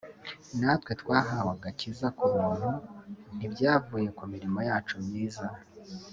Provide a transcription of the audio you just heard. natwe twahawe agakiza ku butnu ntibyavuye ku mirimo yacu myiza